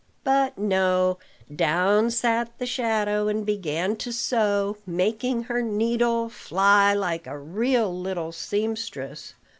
But, no: down sat the shadow, and began to sew, making her needle fly like a real little seamstress.